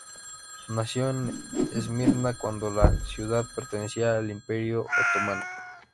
Nació en Esmirna, cuando la ciudad pertenecía al Imperio otomano.